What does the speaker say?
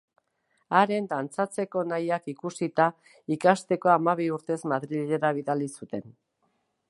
Haren dantzatzeko nahiak ikusita ikasteko hamabi urtez Madrilera bidali zuten.